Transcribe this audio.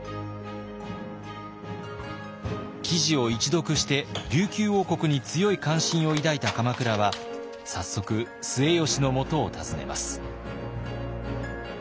記事を一読して琉球王国に強い関心を抱いた鎌倉は早速末吉のもとを訪ねます。